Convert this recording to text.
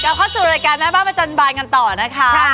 เข้าสู่รายการแม่บ้านประจำบานกันต่อนะคะ